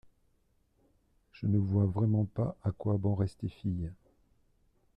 Je ne vois vraiment pas à quoi bon rester fille?